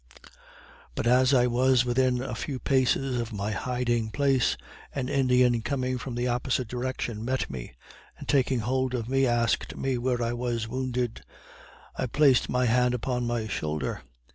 But as I was within a few paces of my hiding place, an Indian coming from the opposite direction met me, and taking hold of me, asked me where I was wounded: I placed my hand upon my shoulder.